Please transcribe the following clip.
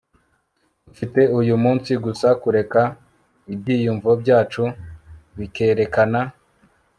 dufite uyu munsi gusa kureka ibyiyumvo byacu bikerekana